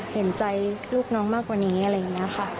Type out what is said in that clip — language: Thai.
เห็นใจลูกน้องมากกว่านี้อะไรอย่างนี้ค่ะ